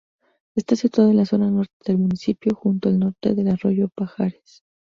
Está situado en la zona norte del municipio, justo al norte del Arroyo Pajares.